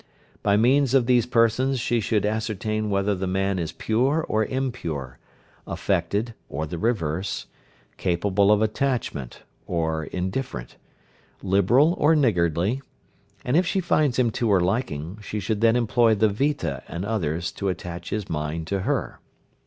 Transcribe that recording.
By means of these persons she should ascertain whether the man is pure or impure, affected, or the reverse, capable of attachment, or indifferent, liberal or niggardly; and if she finds him to her liking, she should then employ the Vita and others to attach his mind to her.